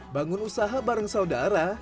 bangun usaha bareng saudara